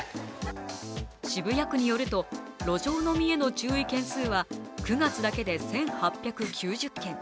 渋谷区によると、路上飲みへの注意件数は９月だけで１８９０件。